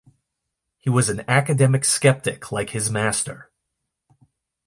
He was an Academic skeptic like his master.